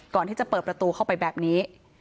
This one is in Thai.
ก่อนที่จะเปิดประตูเข้าไปแบบนี้